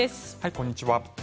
こんにちは。